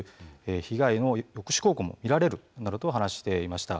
被害の抑止効果も見られると話していました。